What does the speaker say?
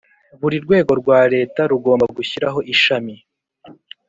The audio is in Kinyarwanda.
Buri rwego rwa Leta rugomba gushyiraho Ishami